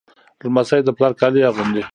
لمسی د پلار کالي اغوندي.